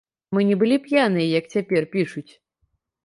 Мы не былі п'яныя, як цяпер пішуць.